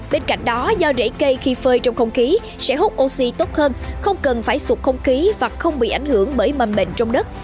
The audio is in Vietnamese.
bên cạnh đó do rễ cây khi phơi trong không khí sẽ hút oxy tốt hơn không cần phải sụp không khí và không bị ảnh hưởng bởi mầm bệnh trong đất